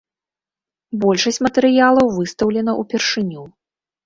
Большасць матэрыялаў выстаўлена ўпершыню.